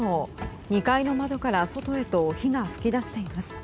２階の窓から外へと火が噴き出しています。